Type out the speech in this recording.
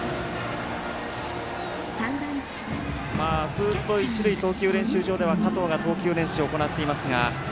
ずっと一塁投球練習場では加藤が投球練習を行っていますが。